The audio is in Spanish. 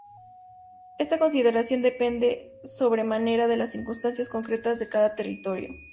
Esta consideración depende sobremanera de las circunstancias concretas de cada territorio.